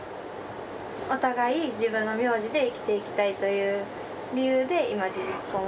お互い自分の名字で生きていきたいという理由で今事実婚を。